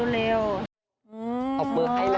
อันนี้น่ารัก